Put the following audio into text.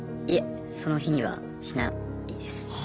いえその日にはしないです。